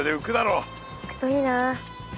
うくといいなあ。